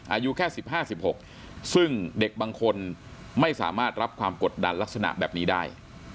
อายุแค่๑๕๑๖ซึ่งเด็กบางคนไม่สามารถรับความกดดันลักษณะแบบนี้ได้